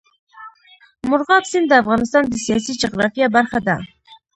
مورغاب سیند د افغانستان د سیاسي جغرافیه برخه ده.